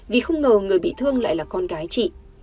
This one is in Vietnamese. vì không ngờ người bị thương lại là con gái chị